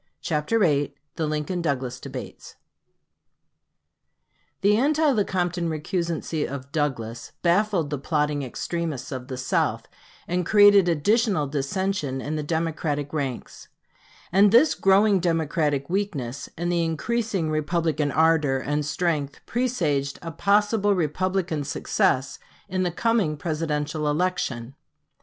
CHAPTER VIII THE LINCOLN DOUGLAS DEBATES The anti Lecompton recusancy of Douglas baffled the plotting extremists of the South, and created additional dissension in the Democratic ranks; and this growing Democratic weakness and the increasing Republican ardor and strength presaged a possible Republican success in the coming Presidential election.